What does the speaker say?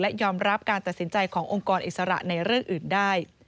ยอมรับการตัดสินใจขององค์กรอิสระในเรื่องอื่นได้